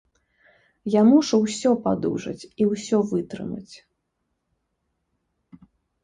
Я мушу ўсё падужаць і ўсё вытрымаць.